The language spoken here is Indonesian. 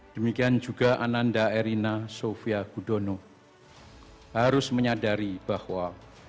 demikian juga ananda erina sofia gudono harus menyadari bahwa